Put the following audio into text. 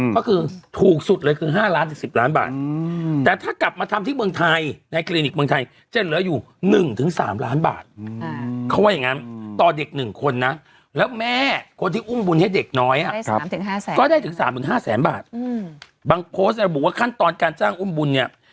ภูมิมันไม่ช่วยอะไรหรอกภูมิเราตายเป็นแก่ไปมันก็ตายไปกับเรา